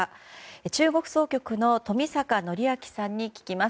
中国総局の冨坂範明さんに聞きます。